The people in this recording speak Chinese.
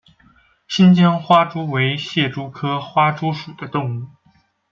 新疆花蛛为蟹蛛科花蛛属的动物。